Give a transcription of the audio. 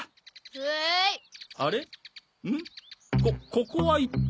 ここは一体。